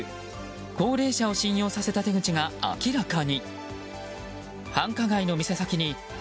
高齢者を信用させた手口が明らかに。